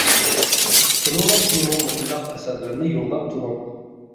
بۇنىڭدىن كېيىنمۇ مۇشۇنداق ئەسەرلەرنى يوللاپ تۇرۇڭ.